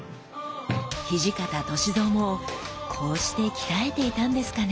土方歳三もこうして鍛えていたんですかね？